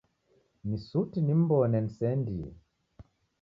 Ni suti nim'mbone niseendie.